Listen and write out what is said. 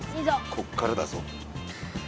こっからだぞ。